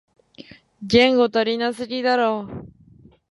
言語足りなすぎだろ